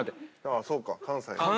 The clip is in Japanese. ああそうか関西の。